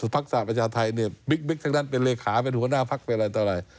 ภักษะประชาไทยนี่บิ๊กทั้งนั้นเป็นเลขาเป็นหัวหน้าภักดิ์เป็นอะไรตลอด